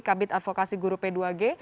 kabit advokasi guru p dua g